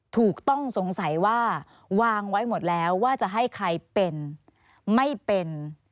ถูกต้องสงสัยว่าวางไว้หมดแล้วว่าจะให้ใครเป็นไม่เป็น